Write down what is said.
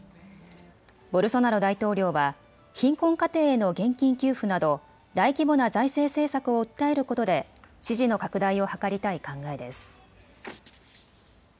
ボルソナロ大統領は貧困家庭への現金給付など大規模な財政政策を訴えることで支持の拡大を図りたい考えです。